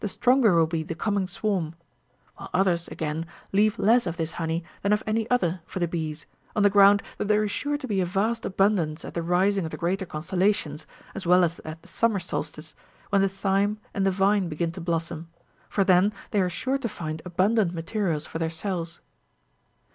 13 stronger will be the coming swarm ; while others, again, leave less of this honey than of any other for the bees, on the ground that there is sure to be a vast abundance at the rising of the greater constellations, as well as at the summer solstice, when the thyme and the vine begin to blossom, for then they are sure to find abundant materials for their cells.